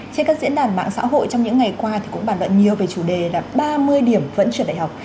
trên các diễn đàn mạng xã hội trong những ngày qua thì cũng bản luận nhiều về chủ đề là ba mươi điểm vẫn trượt đại học